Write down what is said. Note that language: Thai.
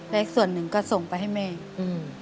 และอีกส่วนหนึ่งก็ส่งไปให้แม่